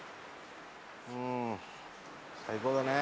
うん最高だね。